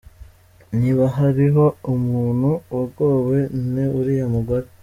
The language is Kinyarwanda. Niba hariho umuntu wagowe, ni uriya mugore!